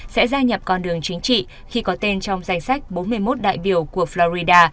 sẽ gia nhập con đường chính trị khi có tên trong danh sách bốn mươi một đại biểu của florida